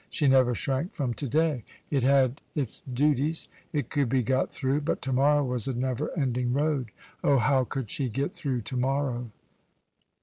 She never shrank from to day it had its duties; it could be got through: but to morrow was a never ending road. Oh, how could she get through to morrow?